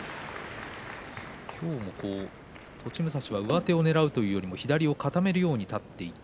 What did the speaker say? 今日も栃武蔵は上手をねらうというよりも左を固めるように立っていって。